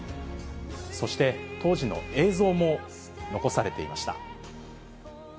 そして当時の映像も残されていました。